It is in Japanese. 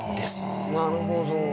なるほど。